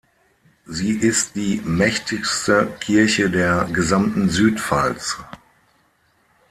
Sie ist die mächtigste Kirche der gesamten Südpfalz.